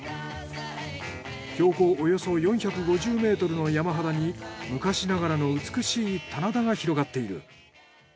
標高およそ４５０ｍの山肌に昔ながらの美しい棚田が広がっている。